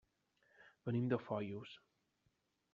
Venim de Foios.